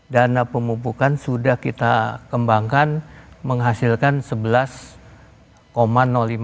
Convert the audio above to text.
dana pemupukan sudah kita kembangkan menghasilkan rp sebelas lima